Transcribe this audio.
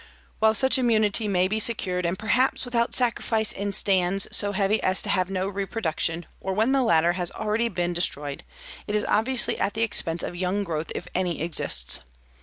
While such immunity may be secured, and perhaps without sacrifice in stands so heavy as to have no reproduction or when the latter has already been destroyed, it is obviously at the expense of young growth if any exists.